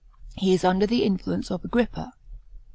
He is under the influence of Agrippa.